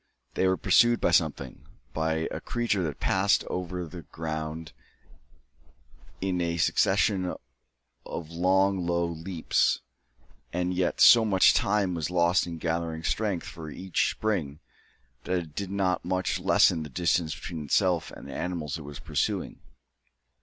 They were pursued by something, by a creature that passed over the ground in a succession of long low leaps, and yet so much time was lost in gathering strength for each spring, that it did not much lessen the distance between itself and the animals it was pursuing.